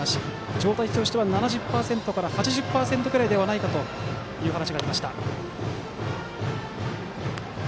状態としては７０％から８０％くらいではないかという話がありました。